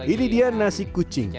ini dia nasi kucing